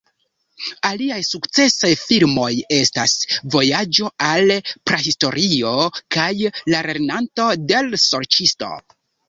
Aliaj sukcesaj filmoj estas "Vojaĝo al Prahistorio" kaj "La Lernanto de l' Sorĉisto"